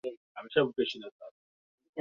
mashariki ya Kati hususan waarabu Aidha husisitiza